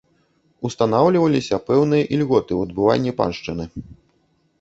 Устанаўліваліся пэўныя ільготы ў адбыванні паншчыны.